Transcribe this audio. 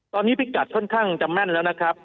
ตอนนี้พิกัดค่อนข้างจะแม่นแล้วนะครับ